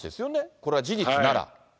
これが事実なら。